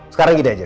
sekarang gini aja